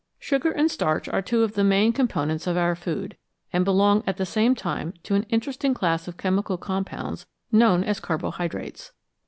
Sugar and starch are two of the main components of our food, and belong at the same time to an interesting class of chemical compounds known as "carbohydrates."